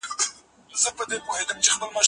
زموږ سفر ډېر په زړه پورې و.